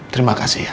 terima kasih ya